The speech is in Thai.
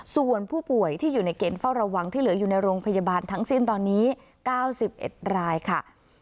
ส่วนผู้ป่วยที่อยู่ในเกณฑ์เฝ้าระวังที่เหลืออยู่ในโรงพยาบาลทั้งสิ้นตอนนี้๙๑รายค่ะ